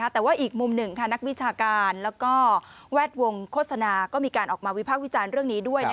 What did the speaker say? แต่ว่าอีกมุมหนึ่งนักวิชาการแล้วก็แวดวงโฆษณาก็มีการออกมาวิพากษ์วิจารณ์เรื่องนี้ด้วย